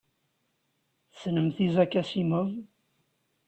Tessnemt Isaac Asimov?